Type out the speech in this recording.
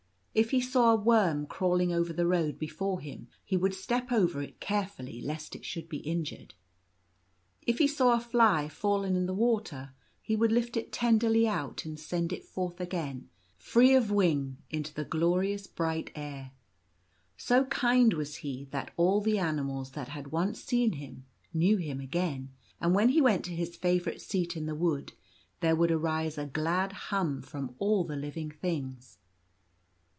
If he saw a worm crawling over the road before him he would step over it carefully lest it should be injured. If he saw a fly fallen in the water he would lift it tenderly out and send it forth again, free of wing, into the glorious bright air : so kind was he that all the animals that had once seen him knew him again, and when he went to his favourite seat in the wood there would arise a glad hum from all the living things.